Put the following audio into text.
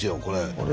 これ。